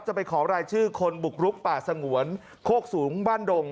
ไปขอรายชื่อคนบุกรุกป่าสงวนโคกสูงบ้านดง